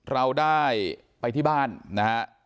เราได้ไปที่บ้านนะฮะ